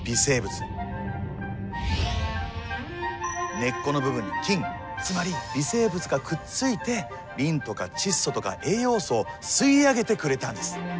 根っこの部分に菌つまり微生物がくっついてリンとか窒素とか栄養素を吸い上げてくれたんです。